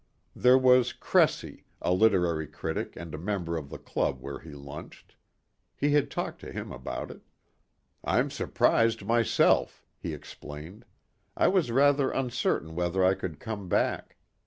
There was Cressy, a literary critic and a member of the club where he lunched. He had talked to him about it. "I'm surprised myself," he explained. "I was rather uncertain whether I could come back.